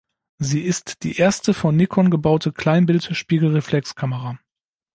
Sie ist die erste von Nikon gebaute Kleinbild-Spiegelreflexkamera.